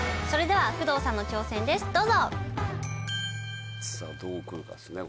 それでは工藤さんの挑戦です。